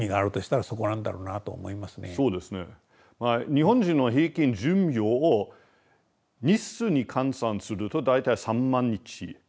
日本人の平均寿命を日数に換算すると大体３万日だと思うんですね。